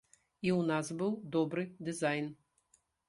І ў нас быў добры дызайн.